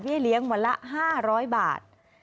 เลี้ยงวันละ๕๐๐บาท